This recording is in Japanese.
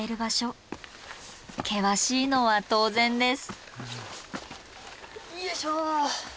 険しいのは当然です。